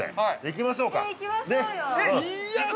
行きましょうか。